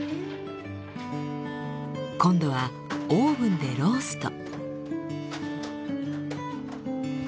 今度はオーブンでロースト。